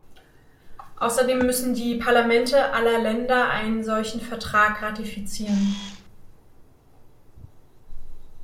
Außerdem müssen die Parlamente aller Länder einen solchen Vertrag ratifizieren.